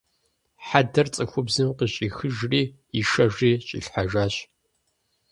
Хьэдэр цӀыхубзым къыщӀихыжри ишэжри щӀилъхьэжащ.